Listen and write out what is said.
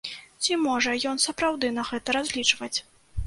Ці можа ён сапраўды на гэта разлічваць?